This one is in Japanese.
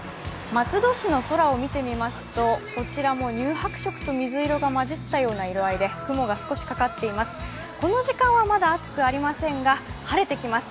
松戸市の空を見てみますとこちらも乳白色と水色が混じった色合いで雲が少しかかっています。